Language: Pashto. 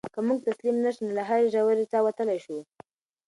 که موږ تسلیم نه شو نو له هرې ژورې څاه وتلی شو.